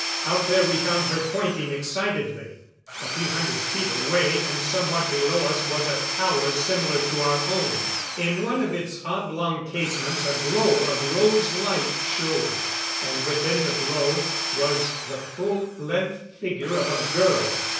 Out there we found her pointing excitedly. A few hundred feet away and somewhat below us was a tower similar to our own. In one of its oblong casements a glow of rose light showed. And within the glow was the full length figure of a girl.